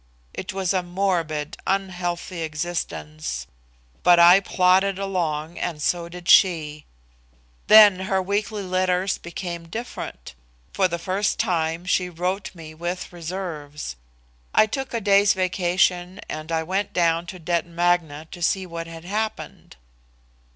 It was a morbid, unhealthy existence, but I plodded along and so did she. Then her weekly letters became different. For the first time she wrote me with reserves. I took a day's vacation and I went down to Detton Magna to see what had happened."